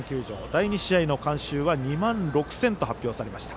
第２試合の観衆は２万６０００と発表されました。